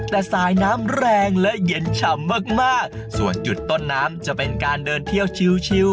แต่สายน้ำแรงและเย็นฉ่ำมากมากส่วนจุดต้นน้ำจะเป็นการเดินเที่ยวชิว